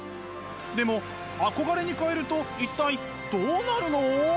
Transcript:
でも「憧れ」に換えると一体どうなるの？